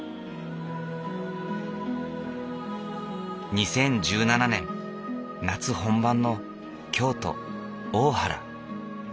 ２０１７年夏本番の京都・大原。